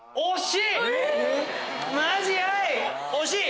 惜しい！